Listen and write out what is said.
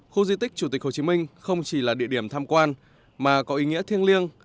khu di tích chủ tịch hồ chí minh không chỉ là địa điểm tham quan mà có ý nghĩa thiêng liêng